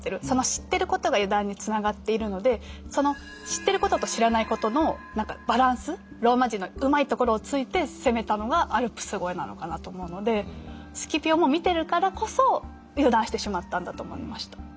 その知ってることが油断につながっているのでその知ってることと知らないことのなんかバランスローマ人のうまいところをついて攻めたのがアルプス越えなのかなと思うのでスキピオも見てるからこそ油断してしまったんだと思いました。